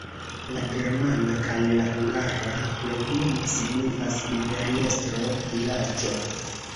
La germana kaj la hungara loknomo signifas: imperiestro-vilaĝo.